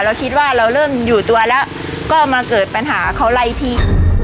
เราคิดว่าเราเริ่มอยู่ตัวแล้วก็มาเกิดปัญหาเขาไล่พี่